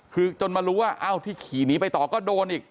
คือจนมารู้ว่าเอ้าที่ขี่หนีไปต่อก็โดนอีก